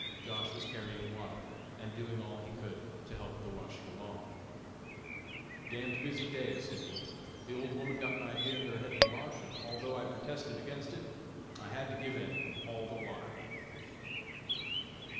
Josh. was carrying water, and doing all he could to help the washing along. "D d busy to day," said he; "the old woman got an idea into her head to wash, and although I protested against it, I had to give in and haul the water."